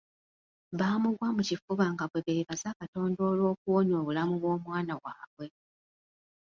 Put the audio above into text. Baamugwa mu kifuba nga bwe beebaza Katonda olw'okuwonya obulamu bw'omwana waabwe.